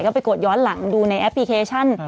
ก็ไปกดย้อนหลังดูในแอปพลิเคชัน